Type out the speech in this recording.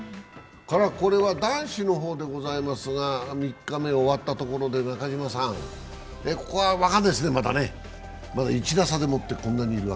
男子の方でございますが３日終わったところで中島さん。ここは分からないですね、１打差でもってこんなにいる。